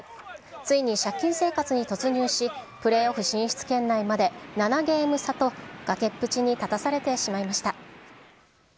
ついに借金生活に突入し、プレーオフ進出圏内まで７ゲーム差と、崖っぷちに立たされてしまいました。